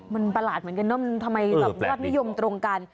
มันประหลาดเหมือนกันเนอะมันทำไมแบบยอดนิยมตรงกัน